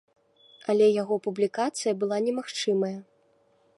Але яго публікацыя была немагчымая.